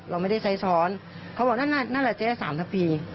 เราไม่ได้ใช้ช้อนเขาบอกนั่นแหละเจ๊๓นาที